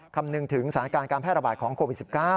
คำนึงถึงสถานการณ์การแพร่ระบาดของโควิด๑๙